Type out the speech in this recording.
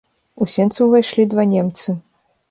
У сенцы ўвайшлі два немцы.